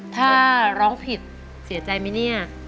ถ้าร้องผิดเสียใจไหมเนี่ย